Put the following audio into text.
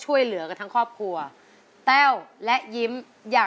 ใบเตยเลือกใช้ได้๓แผ่นป้ายตลอดทั้งการแข่งขัน